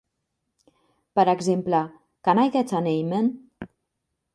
Per exemple, "Can I get an Amen?".